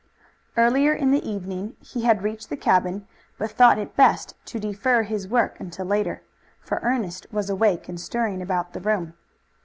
Earlier in the evening he had reached the cabin, but thought it best to defer his work until later, for Ernest was awake and stirring about the room.